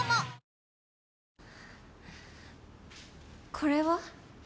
これは？